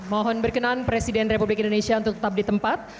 mohon berkenan presiden republik indonesia untuk tetap di tempat